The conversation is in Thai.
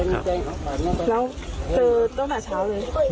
แล้วเจอตั้งแต่เช้าเลย